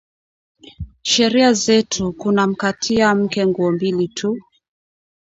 Sheria zetu kuna mkatia mke nguo mbili tu